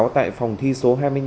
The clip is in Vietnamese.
tại phòng thi số hai mươi năm